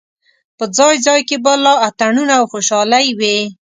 په ځای ځای کې به لا اتڼونه او خوشالۍ وې.